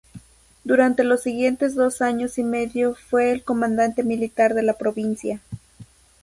Durante los siguientes dos años y medio fue el comandante militar de la provincia.